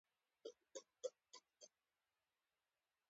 • بخښنه د ښېګڼې عمل دی.